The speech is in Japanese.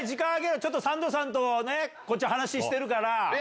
ちょっと三度さんとね、こっち、話してるから。